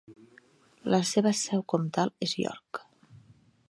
La seva seu comtal és York.